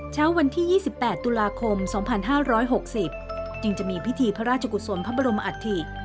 เช้าวันที่๒๘ตุลาคม๒๕๖๐จึงจะมีพิธีพระราชกุศลพระบรมอัฐิ